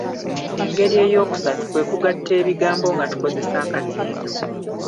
Engeri eyookusatu kwe kugatta ebigambo nga tukozesa akatindo.